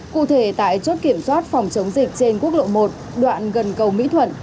cụ thể tại chốt kiểm soát phòng chống dịch trên quốc lộ một đoạn gần cầu mỹ thuận